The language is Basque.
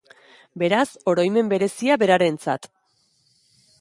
Beraz, oroimen berezia berarentzat.